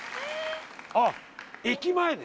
あっ駅前で？